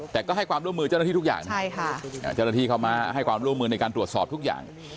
แต่ก็ให้ความร่วมมือเจ้าหน้าที่ทุกอย่างนะเจ้าหน้าที่เข้ามาให้ความร่วมมือในการตรวจสอบทุกอย่าง